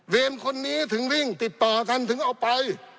คนนี้ถึงวิ่งติดต่อกันถึงเอาไป